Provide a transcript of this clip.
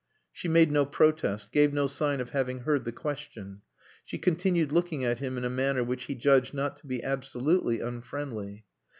She made no protest, gave no sign of having heard the question; she continued looking at him in a manner which he judged not to be absolutely unfriendly.